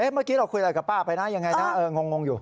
เมื่อกี้เราคุยอะไรกับป้าไปนะยังไงนะงงอยู่